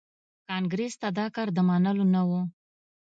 کانګریس ته دا کار د منلو نه و.